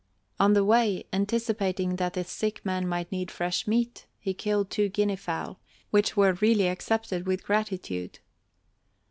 On the way, anticipating that the sick man might need fresh meat, he killed two guinea fowl, which were really accepted with gratitude.